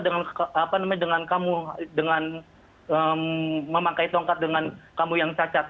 dengan kamu dengan memakai tongkat dengan kamu yang cacat